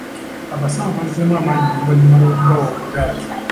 Abasawo bazzeemu amaanyi oluvannyuma lw'okubawa obuggaali.